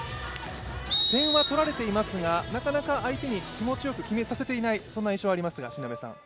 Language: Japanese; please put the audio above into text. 点は取られていますが、なかなか相手に気持ちよく決めさせていない印象がありますが？